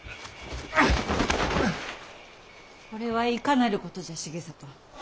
これはいかなることじゃ重郷。